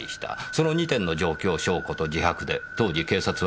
その２点の状況証拠と自白で当時警察は起訴したわけですね。